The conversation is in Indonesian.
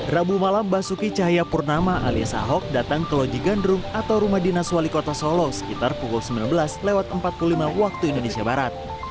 rabu malam basuki cahayapurnama alias ahok datang ke loji gandrung atau rumah dinas wali kota solo sekitar pukul sembilan belas lewat empat puluh lima waktu indonesia barat